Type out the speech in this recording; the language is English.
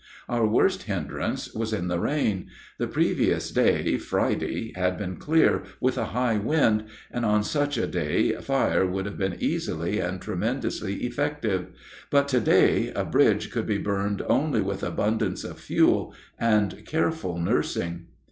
Our worst hindrance was the rain. The previous day (Friday) had been clear, with a high wind, and on such a day fire would have been easily and tremendously effective. But to day a bridge could be burned only with abundance of fuel and careful nursing.